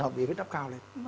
họ bị vết đắp cao lên